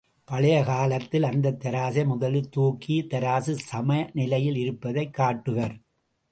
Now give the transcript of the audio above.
பழைய காலத்தில் அந்தத் தராசை முதலில் தூக்கி, தராசு சமநிலையில் இருப்பதைக் காட்டுவர்!